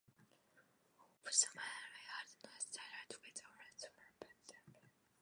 Whitmer and Elizabeth had nine children together, only three of which survived to adulthood.